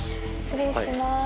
失礼します。